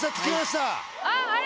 あれ？